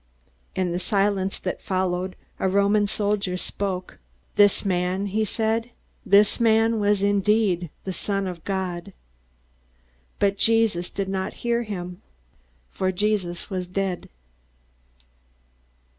In the silence that followed, a Roman soldier spoke. "This man " he said, "this man was indeed the Son of God." But Jesus did not hear him. For Jesus was dead.